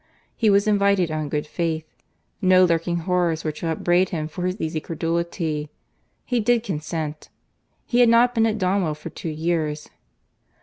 He was invited on good faith. No lurking horrors were to upbraid him for his easy credulity. He did consent. He had not been at Donwell for two years.